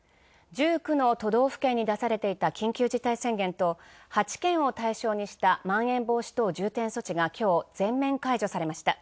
１９の都道府県に出されていた緊急事態宣言と８県を対象にしたまん延防止等重点措置が今日全面解除されました。